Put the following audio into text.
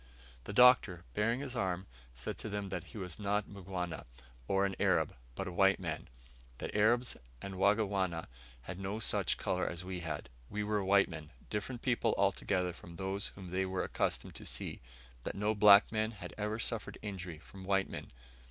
The Doctor, baring his arm, said to them that he was not a Mgwana, or an Arab; but a white man; that Arabs and Wangwana had no such colour as we had. We were white men, different people altogether from those whom they were accustomed to see: that no black men had ever suffered injury from white men.